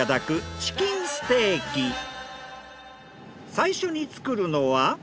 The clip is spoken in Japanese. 最初に作るのは。